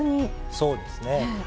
そうですね。